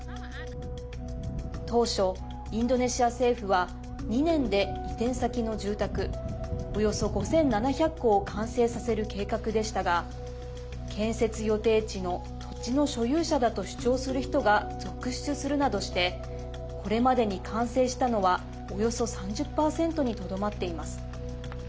当初、インドネシア政府は２年で移転先の住宅およそ５７００戸を完成させる計画でしたが建設予定地の土地の所有者だと主張する人が続出するなどしてこれまでに完成したのはおよそ３０％にとどまっています。